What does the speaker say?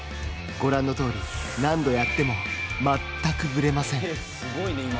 ご覧の通り、何度やってもまったくぶれません。